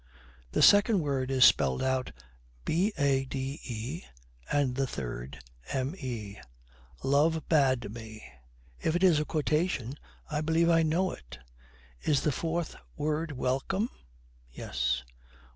The second word is spelt out Bade and the third Me. 'Love Bade Me If it is a quotation, I believe I know it! Is the fourth word Welcome? Yes.'